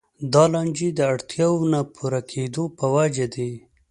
دا لانجې د اړتیاوو نه پوره کېدو په وجه دي.